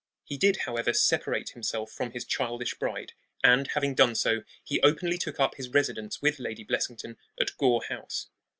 He did, however, separate himself from his childish bride; and, having done so, he openly took up his residence with Lady Blessington at Gore House.